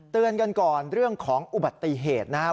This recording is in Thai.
เตือนกันก่อนเรื่องของอุบัติเหตุนะครับ